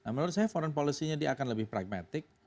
menurut saya foreign policy nya dia akan lebih pragmatic